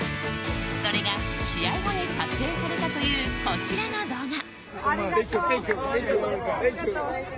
それが試合後に撮影されたというこちらの動画。